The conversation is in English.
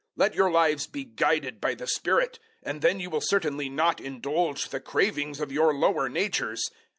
Let your lives be guided by the Spirit, and then you will certainly not indulge the cravings of your lower natures.